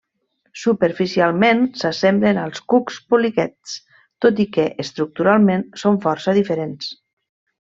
Superficialment s'assemblen als cucs poliquets tot i que estructuralment són força diferents.